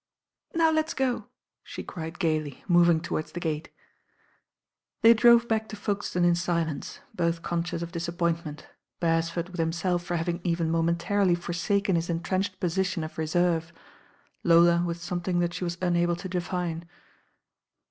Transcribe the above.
"Now let's go," she cried gaily, moving towards the gate. They drove back to Folkestone in silence, both coMcious of disappointment, Beresford with him •elf for having even momentarily forsaken his en trenched position of reserve; Lola with something that she was unable to define.